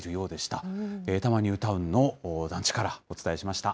たまニュータウンの団地からお伝えしました。